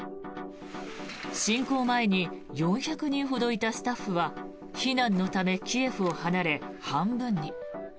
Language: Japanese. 侵攻前に４００人ほどいたスタッフは避難のためキエフを離れ半分に。